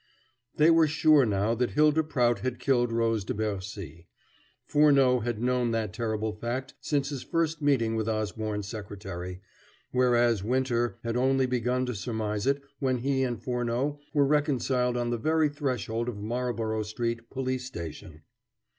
They were sure now that Hylda Prout had killed Rose de Bercy. Furneaux had known that terrible fact since his first meeting with Osborne's secretary, whereas Winter had only begun to surmise it when he and Furneaux were reconciled on the very threshold of Marlborough Street police station.